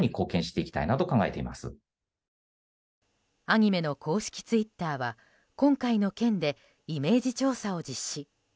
アニメの公式ツイッターは今回の件でイメージ調査を実施。